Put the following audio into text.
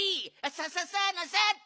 さささのさっと！